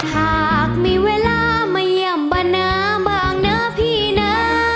หากมีเวลามาเยี่ยมบ้านนาบ้างนะพี่นะ